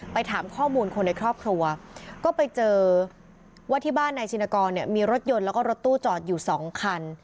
ถามข้อมูลคนในครอบครัวก็ไปเจอว่าที่บ้านนายชินกรเนี่ยมีรถยนต์แล้วก็รถตู้จอดอยู่สองคัน